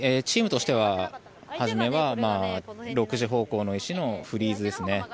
チームとしては初めは６時方向の石のフリーズですね。